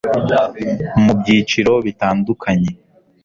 mu byiciro bitandukanye